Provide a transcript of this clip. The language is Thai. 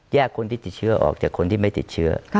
คนที่ติดเชื้อออกจากคนที่ไม่ติดเชื้อ